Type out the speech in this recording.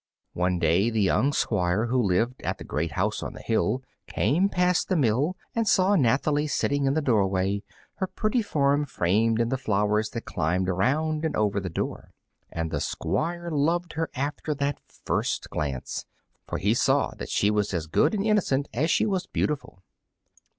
One day the young Squire, who lived at the great house on the hill, came past the mill and saw Nathalie sitting in the doorway, her pretty form framed in the flowers that climbed around and over the door. And the Squire loved her after that first glance, for he saw that she was as good and innocent as she was beautiful.